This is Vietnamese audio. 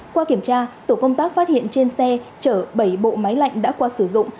qua kiểm tra tổ công tác phát hiện trên xe chở bảy bộ máy lạnh đã qua sử dụng